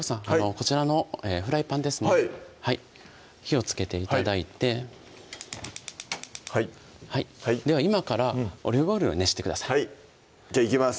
こちらのフライパンですので火をつけて頂いてはいでは今からオリーブオイルを熱してくださいじゃあいきます